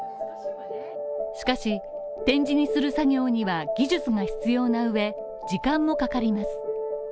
しかし、点字にする作業には技術が必要な上、時間もかかります。